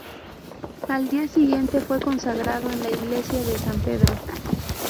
Al día siguiente fue consagrado en la Iglesia de San Pedro.